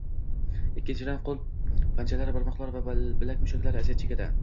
Ikkinchidan, qo‘l panjalari, barmoqlar va bilak mushaklari aziyat chekadi.